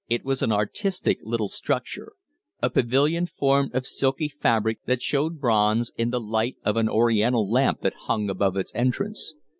It was an artistic little structure a pavilion formed of silky fabric that showed bronze in the light of an Oriental lamp that hung above its entrance.